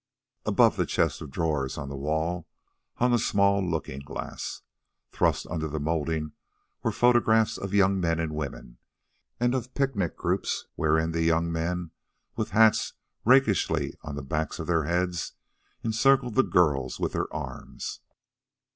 Above the chest of drawers, on the wall, hung a small looking glass. Thrust under the molding were photographs of young men and women, and of picnic groups wherein the young men, with hats rakishly on the backs of their heads, encircled the girls with their arms.